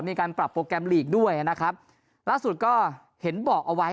ในการปรับโปรแกรมลีกด้วยนะครับล่าสุดก็เห็นบอกเอาไว้